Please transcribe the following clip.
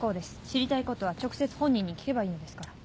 知りたいことは直接本人に聞けばいいのですから。